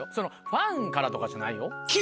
ファンからとかじゃないよ。